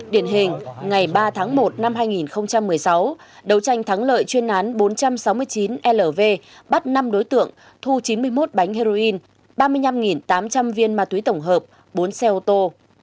điển hình ngày ba tháng một năm hai nghìn một mươi sáu đấu tranh thắng lợi chuyên án bốn trăm sáu mươi chín lv bắt năm đối tượng thu chín mươi một bánh heroin ba mươi năm tám trăm linh viên ma túy tổng hợp bốn xe ô tô